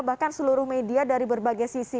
bahkan seluruh media dari berbagai sisi